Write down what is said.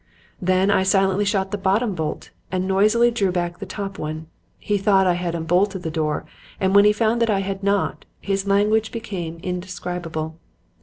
Then I silently shot the bottom bolt and noisily drew back the top one. He thought I had unbolted the door, and when he found that I had not, his language became indescribable.